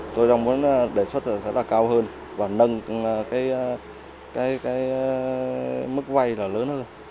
tôi đang muốn đề xuất sẽ là cao hơn và nâng cái mức vay là lớn hơn